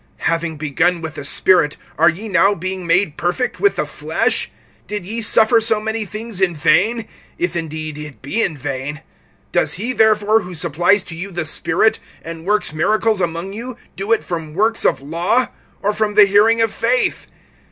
Having begun with the Spirit, are ye now being made perfect[3:3] with the flesh? (4)Did ye suffer so many things in vain? If indeed it be in vain. (5)Does he, therefore, who supplies to you the Spirit, and works miracles among you[3:5], do it from works of law, or from the hearing of faith?